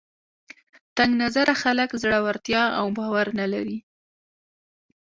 تنګ نظره خلک زړورتیا او باور نه لري